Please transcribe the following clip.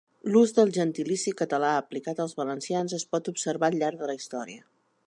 L'ús del gentilici català aplicat als valencians es pot observar al llarg de la història.